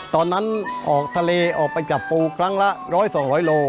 ตอนนั้นออกทะเลออกไปจับปูครั้งละร้อยสองหลอยโล